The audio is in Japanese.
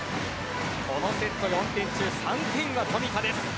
このセット４点中３点は富田です。